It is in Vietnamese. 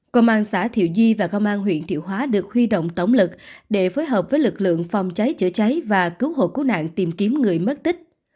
công an xã thiệu di và công an huyện thiệu hóa được huy động tổng lực để phối hợp với lực lượng phòng cháy chữa cháy và cứu hộ cứu nạn tìm kiếm người mất tích